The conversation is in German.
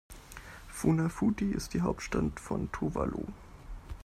Funafuti ist die Hauptstadt von Tuvalu.